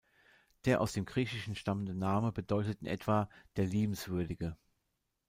Der aus dem Griechischen stammende Name bedeutet in etwa „der Liebenswürdige“.